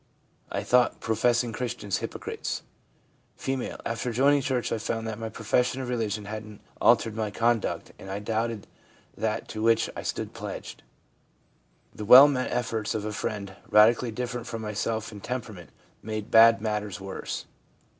I thought professing Christians hypocrites/ F. ' After joining church I found that my profession of religion hadn't altered my conduct and I doubted that to which I stood pledged. The well meant efforts of a friend radically different from myself in temperament made bad matters worse.